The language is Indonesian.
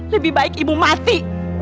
lebih baik ibu mati